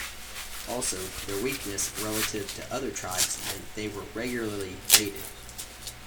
Also, their weakness relative to other tribes meant they were regularly raided.